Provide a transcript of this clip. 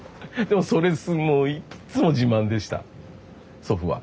でもそれもういつも自慢でした祖父は。